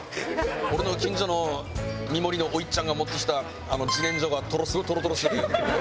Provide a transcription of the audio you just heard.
俺の近所のミモリのおいっちゃんが持ってきた自然薯がすごいトロトロしてて。